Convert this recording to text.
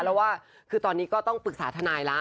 แล้วว่าคือตอนนี้ก็ต้องปรึกษาทนายแล้ว